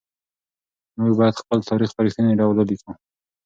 موږ بايد خپل تاريخ په رښتيني ډول ولېکو.